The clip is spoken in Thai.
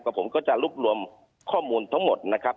ผมก็จะรวบรวมข้อมูลทั้งหมดนะครับ